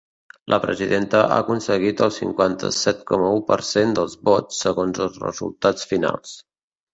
La presidenta ha aconseguit el cinquanta-set coma u per cent dels vots, segons els resultats finals.